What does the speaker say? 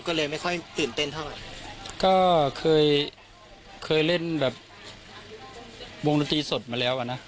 ก็เลยไม่ค่อยตื่นเต้นเท่าไหร่ก็เคยเคยเล่นแบบวงดนตรีสดมาแล้วอ่ะนะ